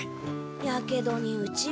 やけどに打ち身。